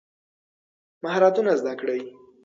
مهارتونه زده کړئ.